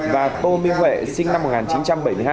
và tô minh huệ sinh năm một nghìn chín trăm bảy mươi hai